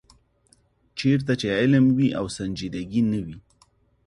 چېرته چې علم وي او سنجیدګي نه وي.